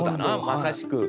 まさしく。